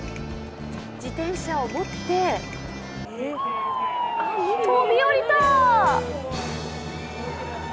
自転車を持って飛び降りた！